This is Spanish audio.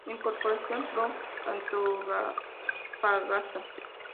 En: Corporación Pro Antofagasta.